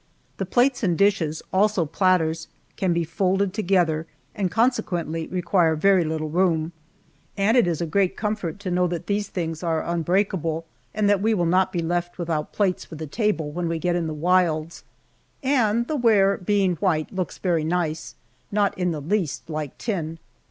The plates and dishes, also platters, can be folded together, and consequently require very little room, and it is a great comfort to know that these things are unbreakable, and that we will not be left without plates for the table when we get in the wilds, and the ware being white looks very nice, not in the least like tin.